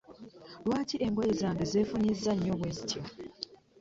Lwaki engoye zange zefunyiza nnyo bweziti?